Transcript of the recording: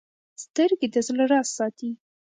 سترګې د زړه راز ساتي